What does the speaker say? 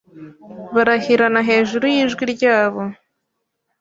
Barahirana hejuru yijwi ryabo.